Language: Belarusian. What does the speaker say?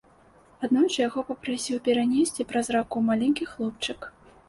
Аднойчы яго папрасіў перанесці праз раку маленькі хлопчык.